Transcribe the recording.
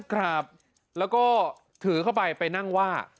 ครับแล้วก็ถือเข้าไปไปนั่งว่า